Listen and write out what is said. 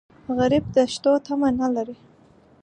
غریب د شتو تمه نه لري